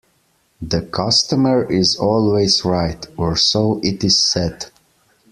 The customer is always right, or so it is said